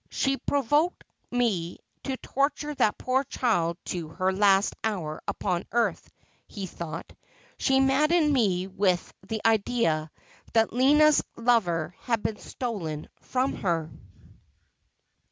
' She provoked me to torture that poor child in her last hour upon earth,' he thought. ' She maddened me with the idea that Lina's lover had been stolen from her.'